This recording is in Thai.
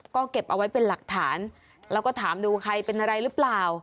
ก็เก็บเอาไว้เป็นหลักฐานแล้วก็ถามดูใครเป็นอะไรหรือเปล่า